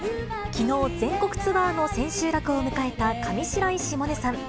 きのう、全国ツアーの千秋楽を迎えた上白石萌音さん。